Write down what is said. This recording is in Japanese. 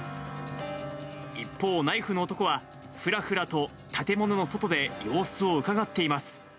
一方、ナイフの男はふらふらと建物の外で様子をうかがっています。